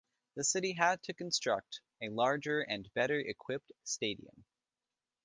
The city had to construct a larger and better-equipped stadium.